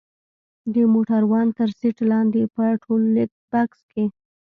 د موټروان تر سيټ لاندې په ټولبکس کښې.